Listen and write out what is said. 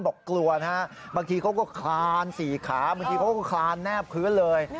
บางทีเขาก็คลานสี่ขาบางทีเขาก็คลานแนบพื้นเลย